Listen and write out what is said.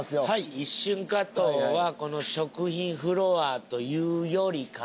一瞬加藤はこの食品フロアというよりかは。